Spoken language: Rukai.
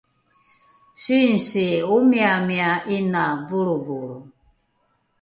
singsi omiamia ’ina volrovolro